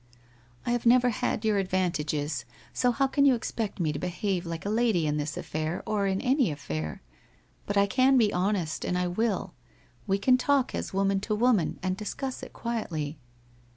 ' I have never had your advantages, so how can you ex pect me to behave like a lady in this affair, or in any affair? But I can be honest and I will. We can talk as woman to woman, and discuss it quietly.'